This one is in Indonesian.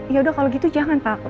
ya udah kalo gitu jangan pak